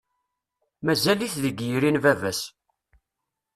Mazal-it deg yiri n baba-s.